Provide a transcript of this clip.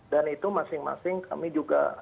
dan itu masing masing kami juga